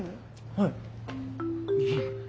はい。